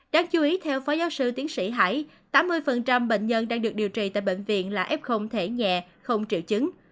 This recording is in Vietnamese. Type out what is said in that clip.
đáng chú ý theo phó giáo sư tiến sĩ hải tám mươi bệnh nhân đang được điều trị tại bệnh viện là f thể nhẹ không triệu chứng